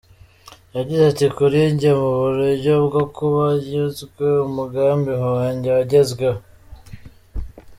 Yagize ati “Kuri njye, mu buryo bwo kuba nyuzwe, umugambi wanjye wagezweho.